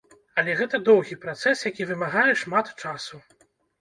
Але гэта доўгі працэс, які вымагае шмат часу.